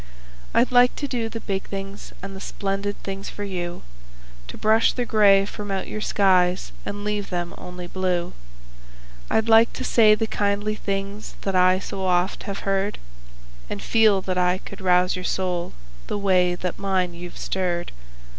I'd like to do the big things and the splendid things for you, To brush the gray from out your skies and leave them only blue; I'd like to say the kindly things that I so oft have heard, And feel that I could rouse your soul the way that mine you've stirred.